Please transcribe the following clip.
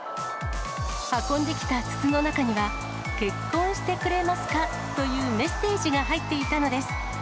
運んできた筒の中には、結婚してくれますか？というメッセージが入っていたのです。